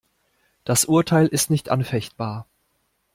Das Urteil ist nicht anfechtbar.